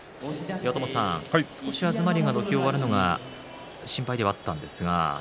岩友さん、東龍土俵を割るのがちょっと心配ではあったんですが。